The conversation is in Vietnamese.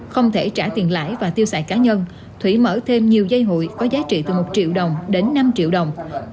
không thể trả tiền lãi và tiêu xài cá nhân thủy mở thêm nhiều dây hụi có giá trị từ một triệu đồng đến năm triệu đồng